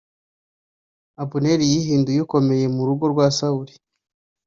Abuneri yihinduye ukomeye mu rugo rwa Sawuli.